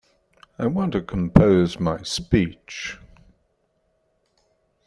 I want to compose my speech.